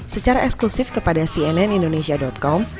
secara eksklusif kepada cnnindonesia com